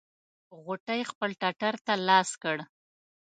غوټۍ خپل ټټر ته لاس کړ.